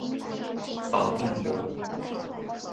保定伯。